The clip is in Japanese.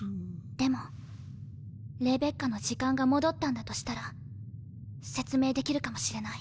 でもレベッカの時間が戻ったんだとしたら説明できるかもしれない。